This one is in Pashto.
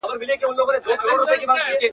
زه په کمپيوټر کي راپور جوړوم.